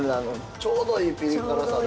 ◆ちょうどいいピリ辛さで。